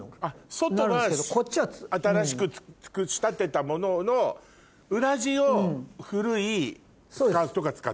外は新しく仕立てたものの裏地を古いスカーフとか使う。